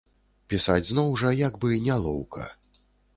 Пісаць зноў жа як бы нялоўка.